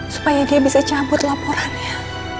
supaya dia bisa cabut laporannya